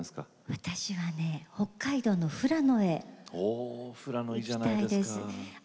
私は北海道の富良野に行きたいです。